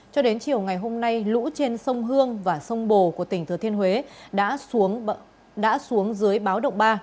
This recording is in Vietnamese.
cho đến chiều ngày hôm nay lũ trên sông hương và sông bồ của tỉnh thừa thiên huế đã xuống dưới báo động ba